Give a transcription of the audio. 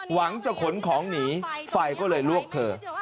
หวังจะขนของหนีไฟก็เลยลวกเธอ